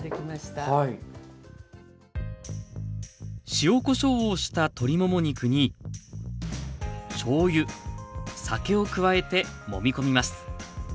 塩こしょうをした鶏もも肉にしょうゆ・酒を加えてもみこみます。